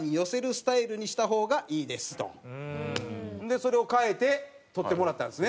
それを変えて撮ってもらったんですね。